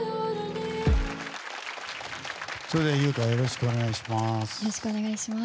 それでは由薫よろしくお願いします。